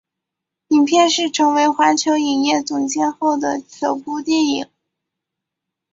影片是成为环球影业总监后的首部电影。